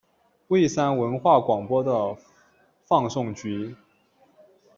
蔚山文化广播的放送局。